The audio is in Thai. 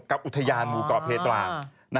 กับอุทยาลหมู่เกาะไปตรวาล